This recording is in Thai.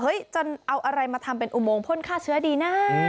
เฮ้ยจะเอาอะไรมาทำเป็นอูโมงฆ่าเชื้อดีน่ะ